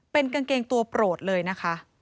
เป็นกางเกงตัวโปรดเลยนะคะ